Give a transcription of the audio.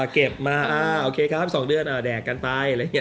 เก็บมา๒เดือนแดกกันไป